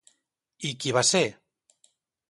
I qui va ser?